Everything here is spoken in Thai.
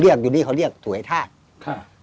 อยู่นี้เขาเรียกถุยธาตุ